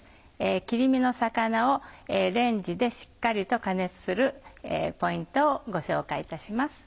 切り身の魚をレンジでしっかりと加熱するポイントをご紹介いたします。